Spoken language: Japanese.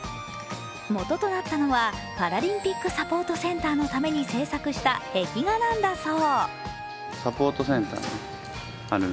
もととなったのはパラリンピックサポートセンターのために制作した壁画なんだそう。